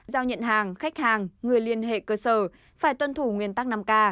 giao nhận hàng khách hàng người liên hệ cơ sở phải tuân thủ nguyên tắc năm k